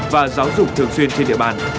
và giáo dục thường xuyên trên địa bàn